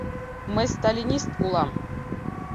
— Мый сталинист улам!